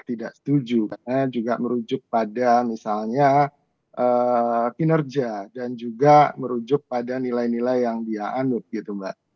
tidak setuju karena juga merujuk pada misalnya kinerja dan juga merujuk pada nilai nilai yang dia anut gitu mbak